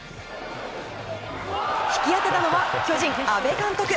引き当てたのは巨人、阿部監督。